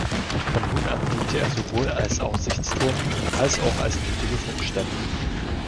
Von nun an diente er sowohl als Aussichtsturm, als auch als nötige Funkstelle.